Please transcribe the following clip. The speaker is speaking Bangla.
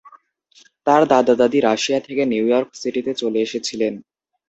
তার দাদা-দাদী রাশিয়া থেকে নিউ ইয়র্ক সিটিতে চলে এসেছিলেন।